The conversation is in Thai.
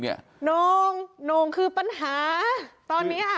โน่งโน่งคือปัญหาตอนนี้